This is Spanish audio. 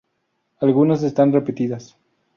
Algunas están repetidas.